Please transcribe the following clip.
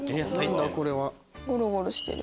ゴロゴロしてる。